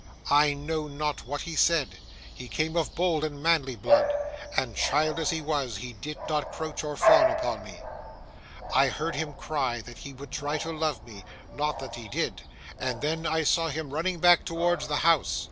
I know not what he said; he came of bold and manly blood, and, child as he was, he did not crouch or fawn upon me. I heard him cry that he would try to love me,—not that he did,—and then I saw him running back towards the house.